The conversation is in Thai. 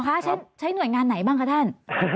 คะใช้หน่วยงานไหนบ้างคะท่าน